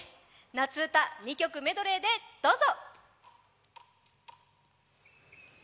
夏うた２曲メドレーでどうぞ。